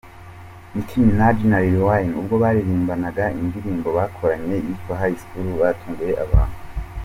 Nicki Manaj na Lil Wayne ubwo baririmbaga indirimbo bakoranye yitwa High Scholl batunguye abantu.